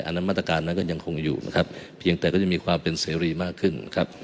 อันนั้นมาตรการนั้นก็ยังคงอยู่นะครับเพียงแต่ก็จะมีความเป็นเสรีมากขึ้นครับ